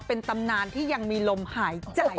เป็นตำนานที่ยังมีลมหายใจ